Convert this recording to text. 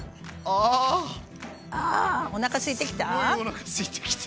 あおなかすいてきた？